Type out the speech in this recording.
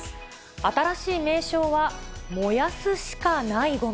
新しい名称は、燃やすしかないごみ。